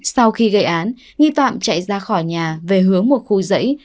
sau khi gây án nghi phạm chạy ra khỏi nhà về hướng một khu dãy